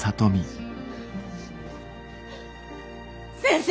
先生